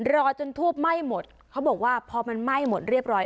รอจนทูบไหม้หมดเขาบอกว่าพอมันไหม้หมดเรียบร้อย